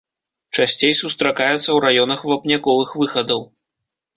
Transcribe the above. Часцей сустракаецца ў раёнах вапняковых выхадаў.